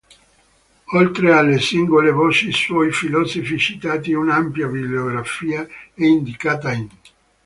Oltre alle singole voci sui filosofi citati un'ampia bibliografia è indicata in